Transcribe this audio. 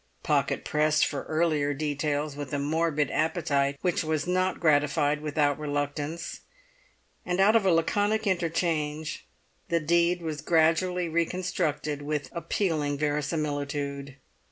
Pocket pressed for earlier details with a morbid appetite which was not gratified without reluctance, and out of a laconic interchange the deed was gradually reconstructed with appealing verisimilitude.